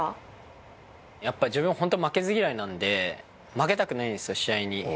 やっぱ自分ホント負けず嫌いなんで負けたくないんですよ試合に。